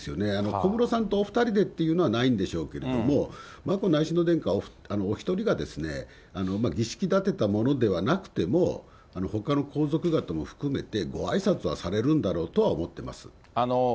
小室さんとお２人でっていうのはないんでしょうけれども、眞子内親王殿下お１人が儀式だてたものではなくても、ほかの皇族方も含めて、ごあいさつはされるんだろうとは思ってます。